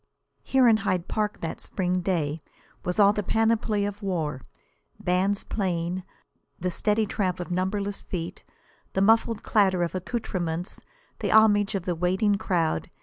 Here in Hyde Park that spring day was all the panoply of war: bands playing, the steady tramp of numberless feet, the muffled clatter of accoutrements, the homage of the waiting crowd.